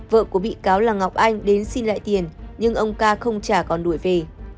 vợ của bị cáo là ngọc anh đến xin lại tiền nhưng ông ca không trả còn đuổi về